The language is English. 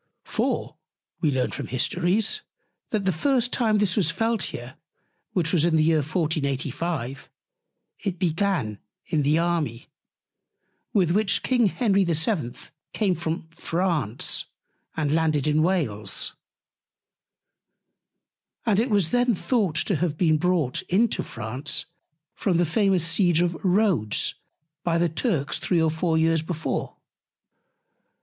For, we learn from Histories, that the first time this was felt here, which was in the Year 1485, it began in the Army, with which King Henry VII. came from France, and landed in Wales; and it was then thought to have been brought into France from the famous Siege of Rhodes by the Turks 3 or 4 Years before.